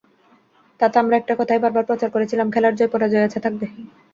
তাতে আমরা একটা কথাই বারবার প্রচার করেছিলাম, খেলায় জয়-পরাজয় আছে, থাকবে।